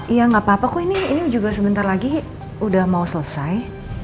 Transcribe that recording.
iya nggak apa apa kok ini juga sebentar lagi udah mau selesai